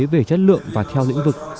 về chất lượng và theo lĩnh vực